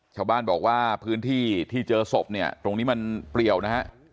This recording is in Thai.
ชาวบ้านบอกว่าพื้นที่ที่เจอศพเนี่ยตรงนี้มันเปรียวนะฮะ